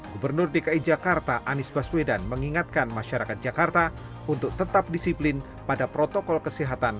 gubernur dki jakarta anies baswedan mengingatkan masyarakat jakarta untuk tetap disiplin pada protokol kesehatan